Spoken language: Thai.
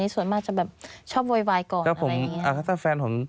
ส่วนมากจะชอบโวยวายก่อน